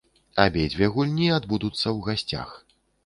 Абедзве гульні адбудуцца ў гасцях.